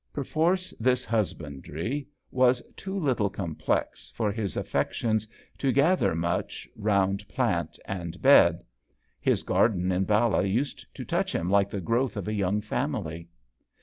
Perforce this husbandry was too little complex for his affec tions to gather much round plant and bed. His garden in Ballah used to touch him like the growth of a young family.